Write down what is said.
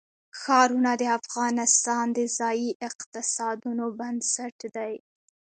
ښارونه د افغانستان د ځایي اقتصادونو بنسټ دی.